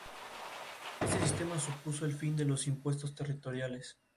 Este sistema supuso el fin de los impuestos territoriales.